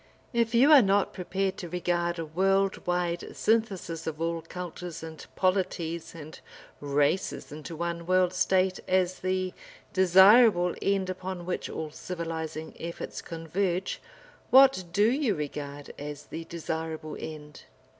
If you are not prepared to regard a world wide synthesis of all cultures and polities and races into one World State as the desirable end upon which all civilising efforts converge, what do you regard as the desirable end?